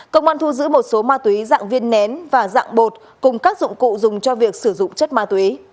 công an thu giữ một số ma túy dạng viên nén và dạng bột cùng các dụng cụ dùng cho việc sử dụng chất ma túy